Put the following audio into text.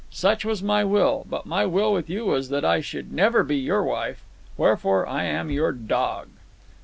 Such was my will. But my will with you was that I should never be your wife. Wherefore, I am your dog."